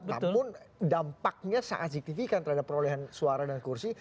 namun dampaknya sangat signifikan terhadap perolehan suara dan kursi